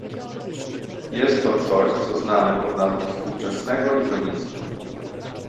Jest to coś, co znamy pod nazwą współczesnego niewolnictwa